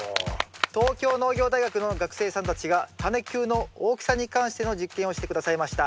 東京農業大学の学生さんたちがタネ球の大きさに関しての実験をして下さいました。